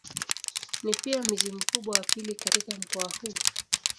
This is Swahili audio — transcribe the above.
Ni pia mji mkubwa wa pili katika mkoa huu.